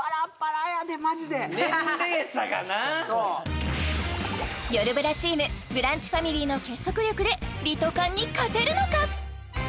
年齢差がなあそうよるブラチームブランチファミリーの結束力でリトかんに勝てるのか？